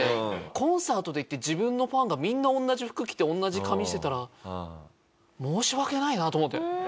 コンサート行って自分のファンがみんな同じ服着て同じ髪してたら申し訳ないなと思って。